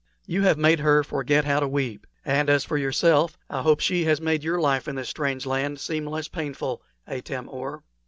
You have made her forget how to weep; and as for yourself, I hope she has made your life in this strange land seem less painful, Atam or."